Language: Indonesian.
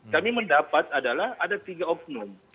kami mendapat adalah ada tiga oknum